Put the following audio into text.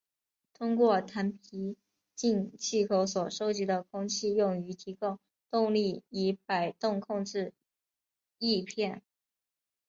通过弹鼻进气口所收集的空气用于提供动力以摆动控制翼片。